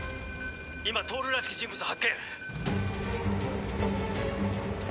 今透らしき人物を発見。